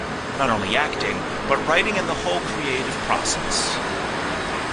Not only acting, but writing and the whole creative process.